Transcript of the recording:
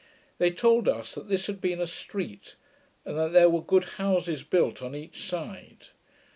They told us, that this had been a street; and that there were good houses built on each side.